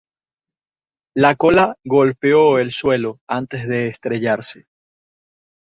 La cola golpeó el suelo antes de estrellarse.